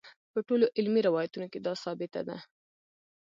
په ټولو علمي روایتونو کې دا ثابته ده.